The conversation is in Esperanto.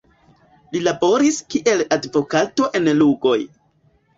Li laboris kiel advokato en Lugoj.